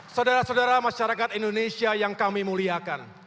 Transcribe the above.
saudara saudara masyarakat indonesia yang kami muliakan